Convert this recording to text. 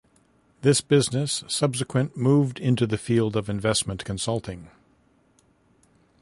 This business subsequent moved into the field of investment consulting.